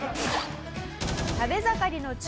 食べ盛りの中